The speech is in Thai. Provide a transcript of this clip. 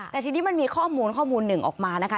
แต่ทีนี้มันมีข้อมูลข้อมูลหนึ่งออกมานะคะ